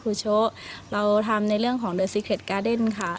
ที่สอนให้คนไทยนั้นดันเนินชีวิตด้วยความเรียบง่ายตามแนวทางปรัชญาเศรษฐกิจพอเพียงครับ